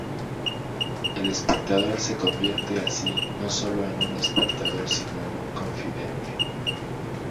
El espectador se convierte así no sólo en un espectador sino en un confidente.